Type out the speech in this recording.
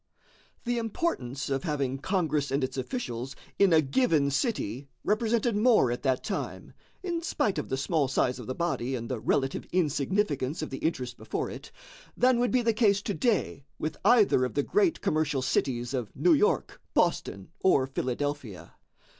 The importance of having Congress and its officials in a given city represented more at that time, in spite of the small size of the body and the relative insignificance of the interests before it, than would be the case to day with either of the great commercial cities of New York, Boston, or Philadelphia.